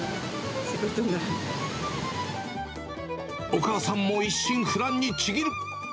お母さんも一心不乱にちぎる。